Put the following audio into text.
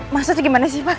maksudnya gimana sih pak